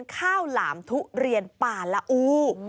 ข้าวหลามทุเรียนป่าละอู